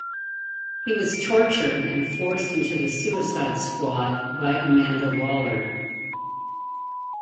He was tortured and forced into the Suicide Squad by Amanda Waller.